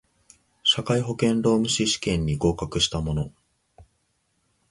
社会保険労務士試験に合格した者